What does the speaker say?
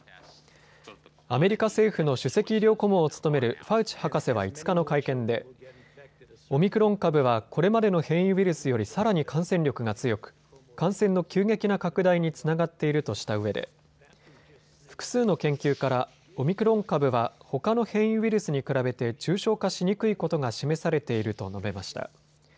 アメリカ政府の首席医療顧問を務めるファウチ博士は５日の会見でオミクロン株はこれまでの変異ウイルスよりさらに感染力が強く感染の急激な拡大につながっているとしたうえで複数の研究からオミクロン株はほかの変異ウイルスに比べて重症化しにくいことが示されていると述べました。